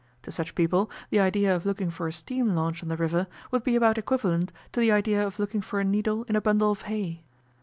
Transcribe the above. To such people the idea of looking for a steam launch on the river would be about equivalent to the idea of looking for a needle in a bundle of hay.